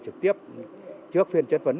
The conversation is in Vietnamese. trực tiếp trước phiên chất vấn